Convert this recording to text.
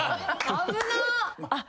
危なっ！